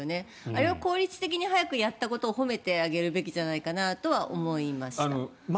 あれは効率的に早くやったことを褒めてあげるべきじゃないかなとは思いました。